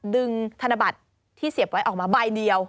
ธนบัตรที่เสียบไว้ออกมาใบเดียว